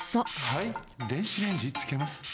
はい電子レンジつけます。